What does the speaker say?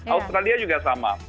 australia juga sama